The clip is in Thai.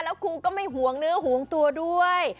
แล้วครูก็ไม่ห่วงเนื้อห่วงตัวด้วย